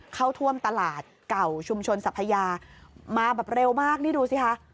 เข้าท่วมตลาดเก่าชุมชนสัพยามาแบบเร็วมากนี่ดูสิคะ